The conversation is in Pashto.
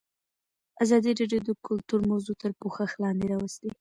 ازادي راډیو د کلتور موضوع تر پوښښ لاندې راوستې.